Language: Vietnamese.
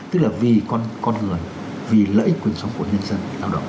tức là vì con người vì lợi ích quyền sống của nhân dân